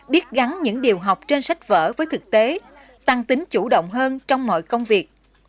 biết gắn những điều học trên sách vở với thực tế tăng tính chủ động hơn trong mọi công việc